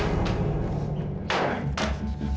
kejadian masa lalu tante fadil